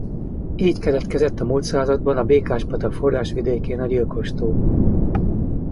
Így keletkezett a múlt században a Békás-patak forrásvidékén a Gyilkos-tó.